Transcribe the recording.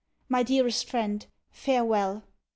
My dearest friend, farewel!